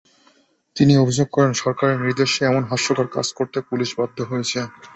তিনি অভিযোগ করেন, সরকারের নির্দেশে এমন হাস্যকর কাজ করতে পুলিশ বাধ্য হয়েছে।